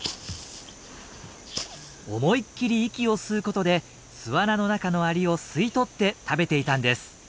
思いっきり息を吸うことで巣穴の中のアリを吸い取って食べていたんです。